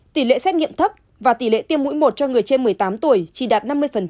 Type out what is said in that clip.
tỷ lệ xét nghiệm thấp và tỷ lệ tiêm mũi một cho người trên một mươi tám tuổi chỉ đạt năm mươi